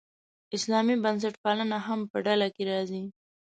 اسلامي بنسټپالنه هم په ډله کې راځي.